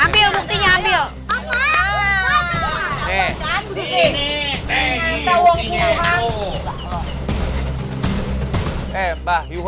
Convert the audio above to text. ambil buktinya ambil